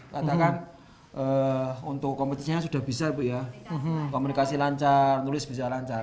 katakan untuk kompetisinya sudah bisa bu ya komunikasi lancar tulis bisa lancar